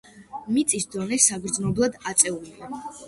მიწის დონე საგრძნობლად აწეულია.